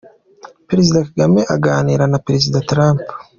Perezida Kagame aganira na Perezida Trump.